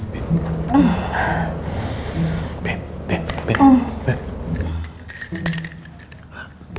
beb beb beb